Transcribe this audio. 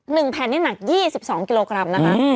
หนึ่งแผ่นนี้หนัก๒๒กิโลกรัมนะคะ